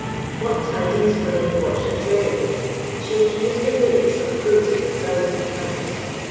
What tidings for the unfortunate Fairy! She accused the Fates of cruelty a thousand times!